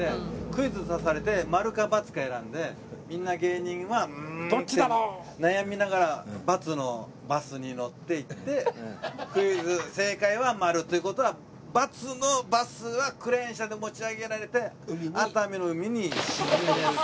クイズ出されてマルかバツか選んでみんな芸人は「うーん」って悩みながらバツのバスに乗っていってクイズ正解はマルという事はバツのバスはクレーン車で持ち上げられて熱海の海に沈めるっていう。